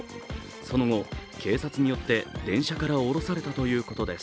その後、警察によって電車から降ろされたということです。